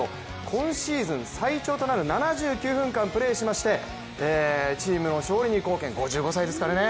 今シーズン最長となる７９分間プレーしましてチームの勝利に貢献、５５歳ですからね。